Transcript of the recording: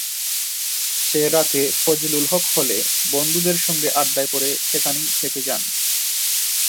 সে রাতে ফজলুল হক হলে বন্ধুদের সঙ্গে আড্ডায় পড়ে সেখানেই থেকে যান।